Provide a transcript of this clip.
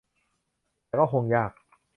แต่ก็คงยาก